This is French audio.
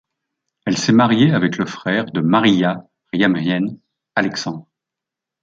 Elle s'est mariée avec le frère de Mariya Ryemyen, Alexandre.